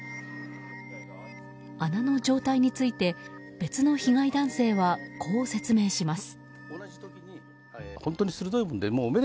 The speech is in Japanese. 穴の状態について別の被害男性はこう説明します。